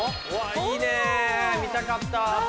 いいね見たかった。